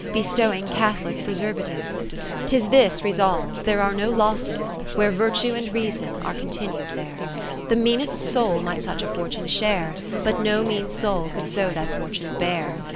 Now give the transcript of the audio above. Bestowing catholic preservatives. 'Tis this resolves, there are no losses where Virtue and Reason are continued there. 1 _< (568) =' concerts,' as commonly. Submission The meanest soul might such a for tune share, But no mean soul could so that for tune bear.